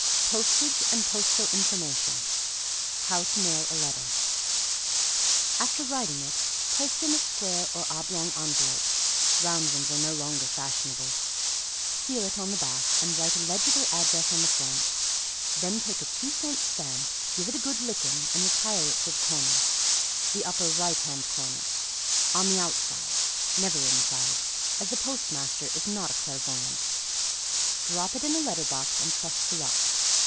Postage and Postal Information. How to Mail a Letter. After writing it, place it in a square or oblong envelope round ones are no longer fashionable seal it on the back and write a legible address on the front; then take a two cent stamp, give it a good licking and retire it to the corner the upper, right hand corner, on the outside never inside, as the postmaster is not a clairvoyant. Drop it in a letter box and trust to luck.